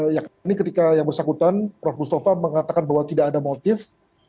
yakni ketika yang bersangkutan prof mustafa mengatakan bahwa tidak ada motif